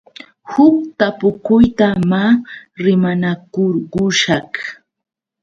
Huk tapukuyta maa rimakurqushaq.